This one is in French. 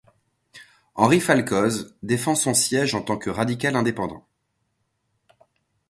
Henri Falcoz défend son siège en tant que radical indépendant.